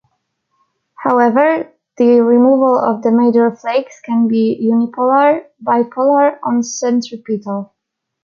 However, the removal of the major flakes can be unipolar, bipolar or centripetal.